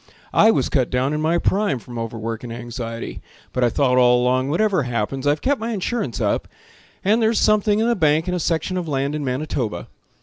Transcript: I was cut down in my prime From overwork and anxiety. But I thought all along, whatever happens I've kept my insurance up, And there's something in the bank, And a section of land in Manitoba.